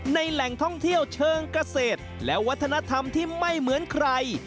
แหล่งท่องเที่ยวเชิงเกษตรและวัฒนธรรมที่ไม่เหมือนใคร